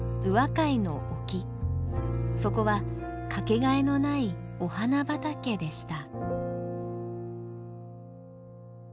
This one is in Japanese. そこはかけがえのない「お花畑」でした。